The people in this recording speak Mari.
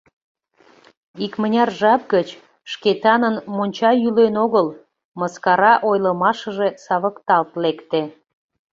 Икмыняр жап гыч Шкетанын «Монча йӱлен огыл» мыскара ойлымашыже савыкталт лекте.